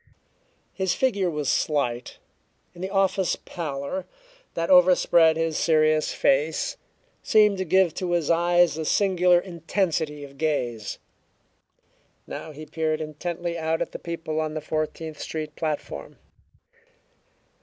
His figure was slight, and the office pallor that overspread his serious face seemed to give to his eyes a singular intensity of gaze. Now he peered intently out at the people on the Fourteenth Street platform.